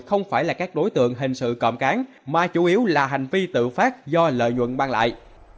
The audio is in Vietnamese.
không phải là các đối tượng hình sự cộm cán mà chủ yếu là hành vi tự phát do lợi nhuận ban lại